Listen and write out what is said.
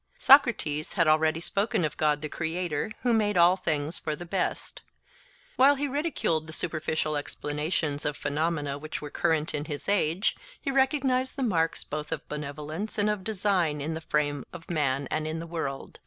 Socrates had already spoken of God the creator, who made all things for the best. While he ridiculed the superficial explanations of phenomena which were current in his age, he recognised the marks both of benevolence and of design in the frame of man and in the world.